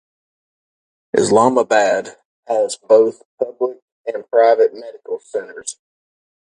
Islamabad has both public and private medical centres.